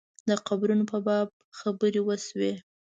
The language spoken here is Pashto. د قبرونو په باب خبرې وشوې.